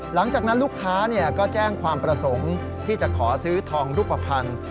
หลังจากนั้นลูกค้าก็แจ้งความประสงค์ที่จะขอซื้อทองรูปภัณฑ์